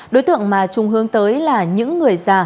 đối tượng mà trung hướng tới là những người già